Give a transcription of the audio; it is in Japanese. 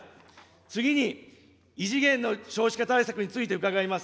次に、異次元の少子化対策について伺います。